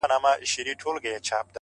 • اوسيدل پکښي بچي میندي پلرونه ,